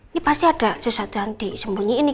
ini pasti ada sesuatu yang disembunyiin nih